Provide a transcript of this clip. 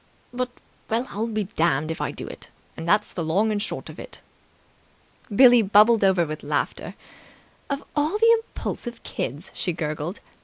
but ... well, I'll be damned if I do it, and that's the long and short of it!" Billie bubbled over with laughter. "Of all the impulsive kids!" she gurgled.